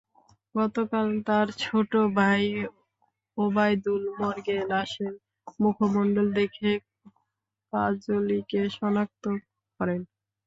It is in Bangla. গতকাল তাঁর ছোট ভাই ওবায়দুল মর্গে লাশের মুখমণ্ডল দেখে কাজলিকে শনাক্ত করেন।